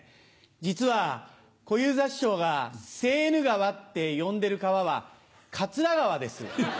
実は小遊三師匠がセーヌ川って呼んでる川は桂川です。